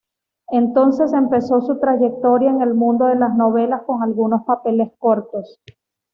Entonces empezó su trayectoria en el mundo de las novelas con algunos papeles cortos.